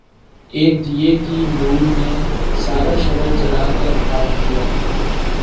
ایک دیے کی لو نے سارا شہر جلا کر خاک کیا